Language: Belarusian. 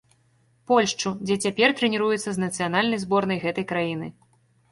Польшчу, дзе цяпер трэніруецца з нацыянальнай зборнай гэтай краіны.